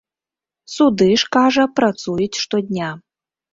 Суды ж, кажа, працуюць штодня.